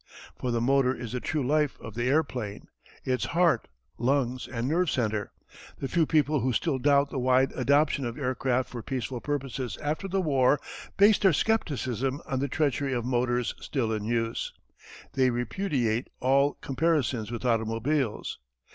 For the motor is the true life of the airplane its heart, lungs, and nerve centre. The few people who still doubt the wide adoption of aircraft for peaceful purposes after the war base their skepticism on the treachery of motors still in use. They repudiate all comparisons with automobiles.